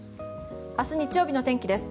明日日曜日の天気です。